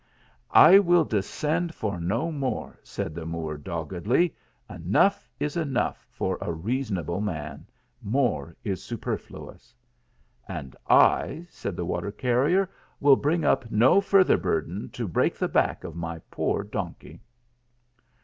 " I will descend for no more," said the Moor, dog gedly. " Enough is enough for a reasonable man ; more is superfluous." "And I," said the water carrier, "will bring up no further burthen to break the back of my poor donkey."